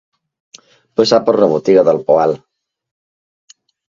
Passar per la botiga del Poal.